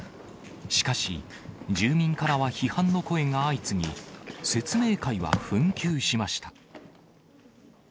しかし、住民からは批判の声が相次ぎ、説明会は紛糾しました。